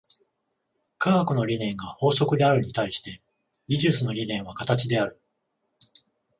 科学の理念が法則であるに対して、技術の理念は形である。